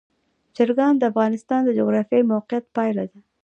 چرګان د افغانستان د جغرافیایي موقیعت پایله ده.